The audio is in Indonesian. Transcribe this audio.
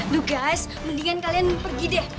duh guys mendingan kalian pergi deh